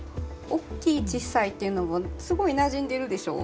おっきいちっさいというのもすごいなじんでるでしょ？